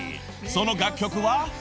その楽曲は］